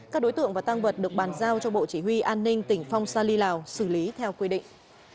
các đối tượng và tăng vật được bàn giao cho bộ chỉ huy an ninh tỉnh phong sa lì lào xử lý theo quy định